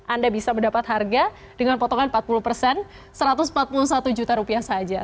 anda bisa mendapat harga dengan potongan empat puluh persen satu ratus empat puluh satu juta rupiah saja